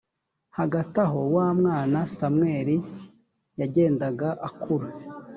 hagati aho wa mwana samweli yagendaga akura